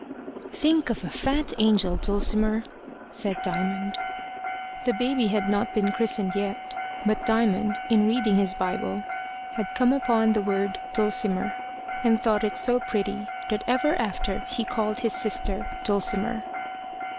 "Think of a fat angel, Dulcimer!" said Diamond. The baby had not been christened yet, but Diamond, in reading his Bible, had come upon the word dulcimer, and thought it so pretty that ever after he called his sister Dulcimer!